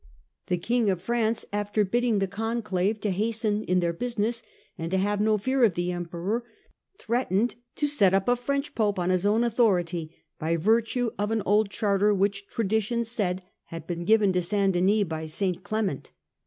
The 206 STUPOR MUNDI King of France, after bidding the Conclave to hasten in their business and to have no fear of the Emperor, threatened to set up a French Pope on his own authority, by virtue of an old charter which, tradition said, had been given to St. Denis by St. Clement.